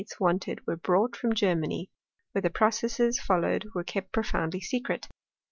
warned were brought froiij Germany, where the prc^cesses fcliowed were kept profoundly secret.